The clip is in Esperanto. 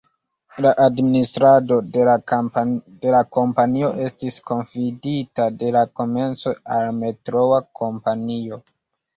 La administrado de la kompanio estis konfidita de la komenco al la Metroa kompanio.